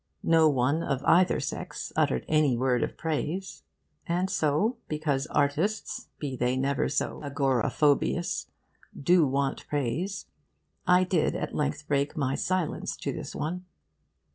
No one of either sex uttered any word of praise. And so, because artists, be they never so agoraphobious, do want praise, I did at length break my silence to this one.